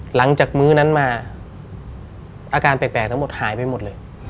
มื้อนั้นมาอาการแปลกทั้งหมดหายไปหมดเลย